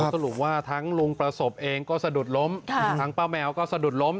สรุปว่าทั้งลุงประสบเองก็สะดุดล้มทั้งป้าแมวก็สะดุดล้ม